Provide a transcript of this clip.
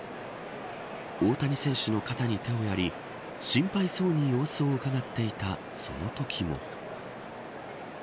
大谷選手の肩に手をやり心配そうに様子をうかがっていたそのときも。